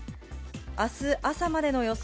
あす朝までの予想